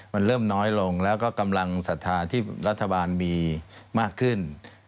มันเริ่มน้อยลงแล้วก็กำลังศรัทธาที่รัฐบาลมีมากขึ้น